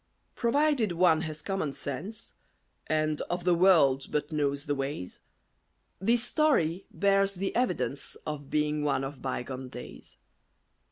Provided one has common sense, And of the world but knows the ways, This story bears the evidence Of being one of bygone days.